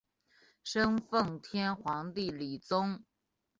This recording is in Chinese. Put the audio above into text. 生奉天皇帝李琮。